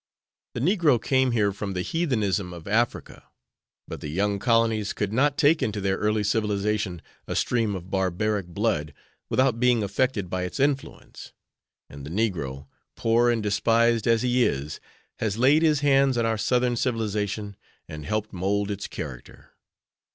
The negro came here from the heathenism of Africa; but the young colonies could not take into their early civilization a stream of barbaric blood without being affected by its influence and the negro, poor and despised as he is, has laid his hands on our Southern civilization and helped mould its character."